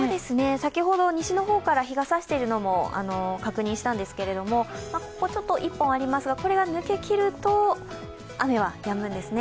先ほど西の方から日がさしているのも確認したんですけれどもここに１本ありますが、これが抜けきると雨はやむんですね。